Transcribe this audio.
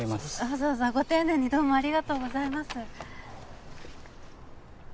わざわざご丁寧にどうもありがとうございます